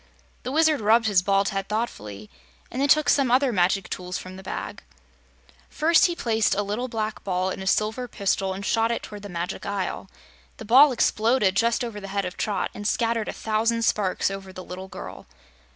The Wizard rubbed his bald head thoughtfully and then took some other magic tools from the bag. First he placed a little black ball in a silver pistol and shot it toward the Magic Isle. The ball exploded just over the head of Trot and scattered a thousand sparks over the little girl.